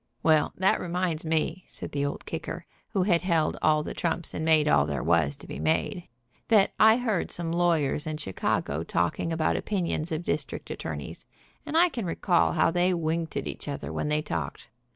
"Well, that reminds me," said the Old Kicker, who had held all the trumps, and made all there was to be made, "that I heard some lawyers in Chicago 44 THE DAKOTA DISTRICT ATTORNEY talking about opinions of district attorneys, and I can recall how they winked at each other when they talked.